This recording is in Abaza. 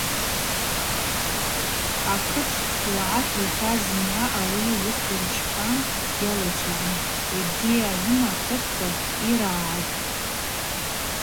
Акыт уагӏата йтаз зымгӏва ауи уыста йырчпан йалачважвун йгьи агӏвыма кытква йрагӏатӏ.